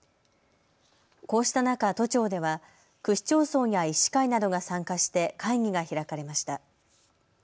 こうした中、都庁では区市町村や医師会などが参加して会議が開かれました。